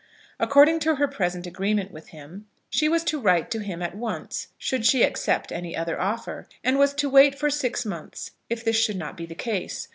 According to her present agreement with him, she was to write to him at once should she accept any other offer; and was to wait for six months if this should not be the case.